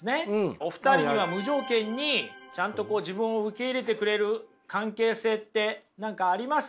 お二人には無条件にちゃんと自分を受け入れてくれる関係性って何かあります？